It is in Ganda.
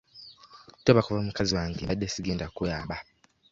Toba kuba mukazi wange mbadde sigenda kkuyamba.